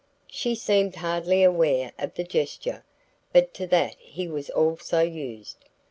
She seemed hardly aware of the gesture; but to that he was also used.